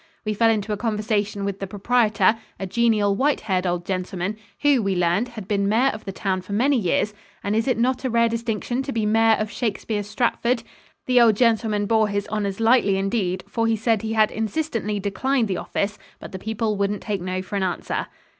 We fell into a conversation with the proprietor, a genial, white haired old gentleman, who, we learned, had been Mayor of the town for many years and is it not a rare distinction to be Mayor of Shakespeare's Stratford? The old gentleman bore his honors lightly indeed, for he said he had insistently declined the office but the people wouldn't take no for an answer.